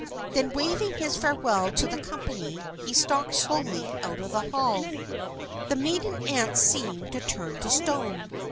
Then waving his farewell to the company, he stalked slowly out of the hall. The maiden aunts seemed turned to stone.